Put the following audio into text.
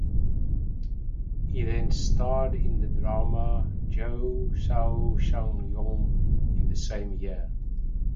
He then starred in drama "Jao Sao Chang Yon" in the same year.